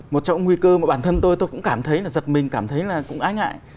một trong những nguy cơ mà bản thân tôi tôi cũng cảm thấy là giật mình cảm thấy là cũng ái ngại